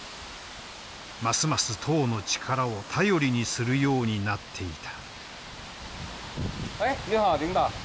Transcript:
ますます党の力を頼りにするようになっていた。